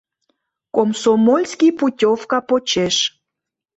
Комсомольский путёвка почеш.